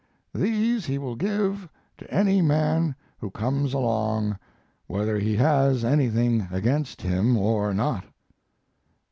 These he will give to any man who comes along, whether he has anything against him or not....